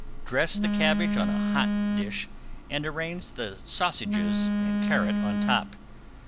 Dress the cabbage on a hot dish and arrange the sausages and carrot on top.